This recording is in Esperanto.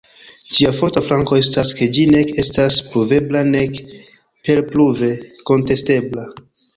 Ĝia forta flanko estas, ke ĝi nek estas pruvebla nek perpruve kontestebla.